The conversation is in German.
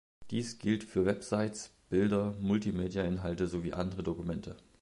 Dies gilt für Websites, Bilder, Multimedia Inhalte sowie andere Dokumente.